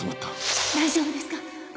大丈夫ですか？